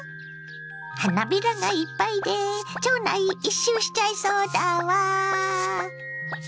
花びらがいっぱいで町内一周しちゃいそうだわ。